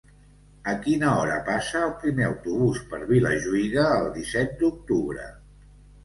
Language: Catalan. A quina hora passa el primer autobús per Vilajuïga el disset d'octubre?